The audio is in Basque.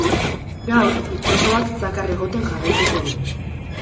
Gaur, itsasoak zakar egoten jarraituko du.